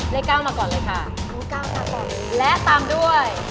เลข้าวมาก่อนเลยค่ะแล้วตามด้วย